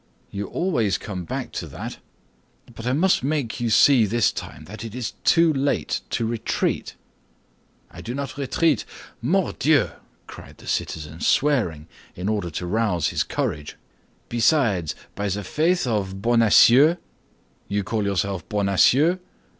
"You always come back to that; but I must make you see this time that it is too late to retreat." "I do not retreat, mordieu!" cried the citizen, swearing in order to rouse his courage. "Besides, by the faith of Bonacieux—" "You call yourself Bonacieux?"